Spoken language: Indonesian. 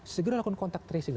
segera lakukan contact tracing